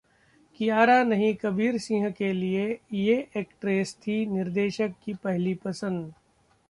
कियारा नहीं कबीर सिंह के लिए ये एक्ट्रेस थीं निर्देशक की पहली पसंद